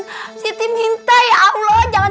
siti minta ya allah jangan